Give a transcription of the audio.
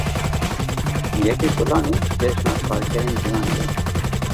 Yekê Gulanê Cejina Karkerên Cîhanê ye.